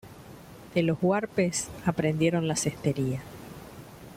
De los huarpes aprendieron la cestería.